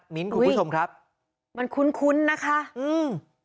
คุณผู้ชมครับมันคุ้นคุ้นนะคะอืม